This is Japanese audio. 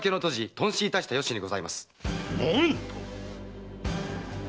頓死いたした由にございます。